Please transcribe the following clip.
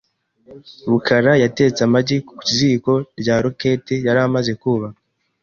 rukara yatetse amagi ku ziko rya roketi yari amaze kubaka .